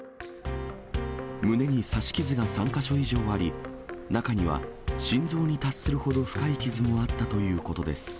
胸に刺し傷が３か所以上あり、中には、心臓に達するほど深い傷もあったということです。